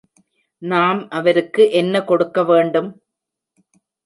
நாம் அவருக்கு என்ன கொடுக்க வேண்டும்?